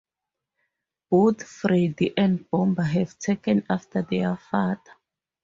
Both Freddie and Bomber have taken after their father.